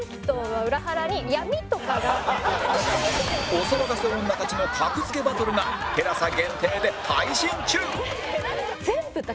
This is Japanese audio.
お騒がせ女たちの格付けバトルが ＴＥＬＡＳＡ 限定で配信中！